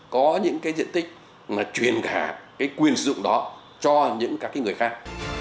có những cái diện tích mà truyền cả cái quyền sử dụng đó cho những các người khác